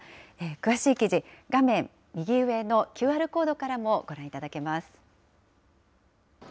詳しい記事、画面右上のＱＲコードからもご覧いただけます。